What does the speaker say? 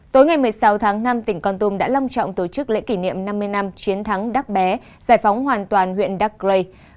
tối ngày một mươi sáu tháng năm tỉnh con tum đã lâm trọng tổ chức lễ kỷ niệm năm mươi năm chiến thắng đắc bé giải phóng hoàn toàn huyện đắc lây